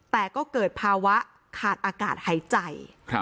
แต่ก็เกิดภาวะขาดอากาศหายใจ